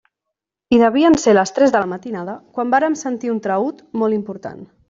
I devien ser les tres de la matinada quan vàrem sentir un traüt molt important.